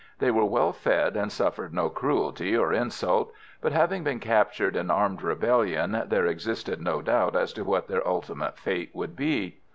They were well fed, and suffered no cruelty or insult; but, having been captured in armed rebellion, there existed no doubt as to what their ultimate fate would be.